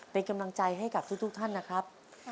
เป็นกำลังใจให้กับทุกท่านนะครับ